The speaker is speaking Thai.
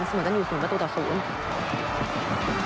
สมมุติว่าจะอยู่ศูนย์ประตูต่อศูนย์